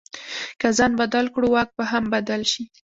که ځان بدل کړو، واک به هم بدل شي.